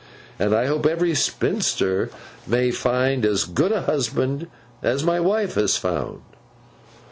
And I hope every spinster may find as good a husband as my wife has found.